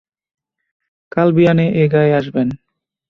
কাল বিয়ানে এ গাঁয়ে আসবেন।